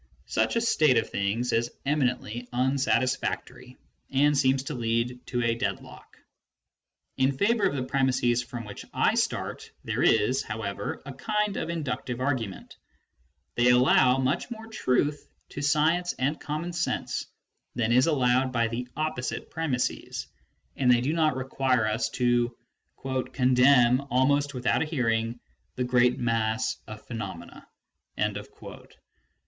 Such a state of things is eminently unsatisfactory, and seems to lead to a deadlock. In favour of the premisses from which I start, there is, however, a kind of inductive argument : they allow much more truth to science and common sense than is allowed by the opposite premisses, and they do not require us to " condemn, almost without a hearing, the great mass of pheno 378 B. RUSSELL : EXPLANATIONS IN REPLY TO MR. BRADLEY. mena".